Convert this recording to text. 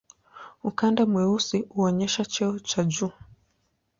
Ukanda mweusi huonyesha cheo cha juu.